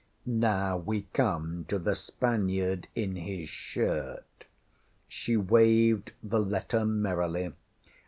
Now we come to the Spaniard in his shirt! ŌĆÖ (She waved the letter merrily.)